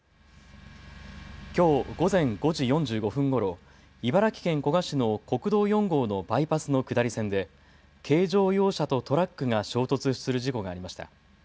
きょう午前５時４５分ごろ茨城県古河市の国道４号のバイパスの下り線で軽乗用車とトラックが衝突する事故がありました。